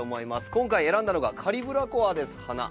今回選んだのがカリブラコアです花。